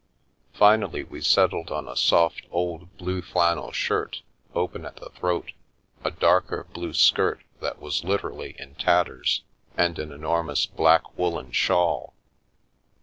Finally, we settled on a soft, old blue flannel shirt, open at the throat, a darker blue skirt that was literally in tatters, and an enormous black woollen shawl.